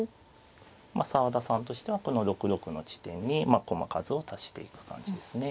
まあ澤田さんとしてはこの６六の地点に駒数を足していく感じですね。